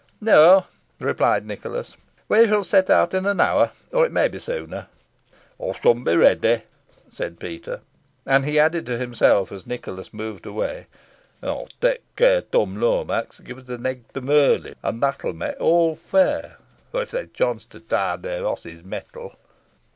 "No," replied Nicholas. "We shall set out in an hour or it may be sooner." "Aw shan be ready," said Peter. And he added to himself, as Nicholas moved away, "Ey'st tak care Tum Lomax gies an egg to Merlin, an that'll may aw fair, if they chance to try their osses' mettle."